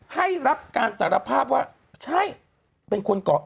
ให้รับการสารภาพว่าใช่เป็นคนเกาะ